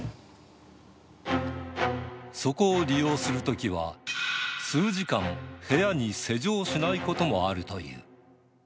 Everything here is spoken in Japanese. そこを利用するときは、数時間、部屋に施錠しないこともあるという。